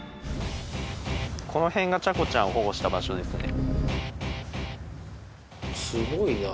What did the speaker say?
この辺がちゃこちゃんを保護した場所ですね。